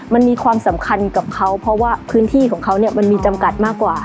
มันมีความสำคัญกับเขาเพราะว่าพื้นที่ของเขาเนี่ยมันมีจำกัดมากกว่า